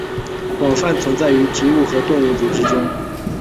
广泛存在于植物和动物组织中。